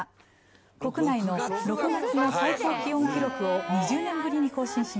「国内の６月の最高気温記録を２０年ぶりに更新しました」